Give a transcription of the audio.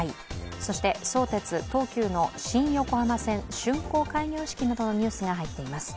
そして、相鉄・東急の新横浜線しゅんこう開業式などのニュースが入っています。